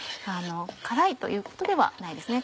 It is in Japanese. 辛いということではないですね。